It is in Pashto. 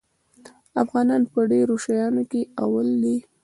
افغانان په ډېرو شیانو کې اول دي.